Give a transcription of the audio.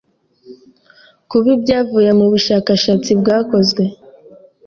kuba Ibyavuye mu bushakashatsi bwakozwe